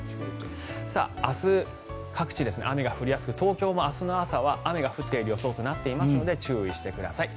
明日、各地雨が降りやすく東京も明日の朝は雨が降っている予想となっていますので注意してください。